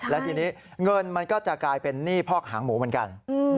และทีนี้เงินมันก็จะกลายเป็นหนี้พอกหางหมูเหมือนกัน